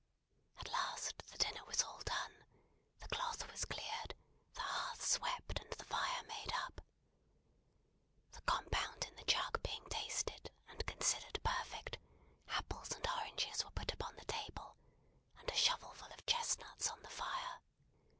At last the dinner was all done, the cloth was cleared, the hearth swept, and the fire made up. The compound in the jug being tasted, and considered perfect, apples and oranges were put upon the table, and a shovel full of chestnuts on the fire.